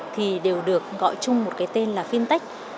thì đều được gọi chung một cái tên là fintech